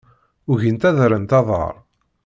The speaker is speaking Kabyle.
Ugint ad rrent aḍar.